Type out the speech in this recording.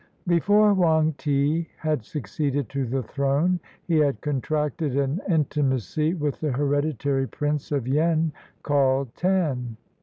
] Before Hoang ti had succeeded to the throne, he had contracted an intimacy with the hereditary Prince of Yen, called Tan.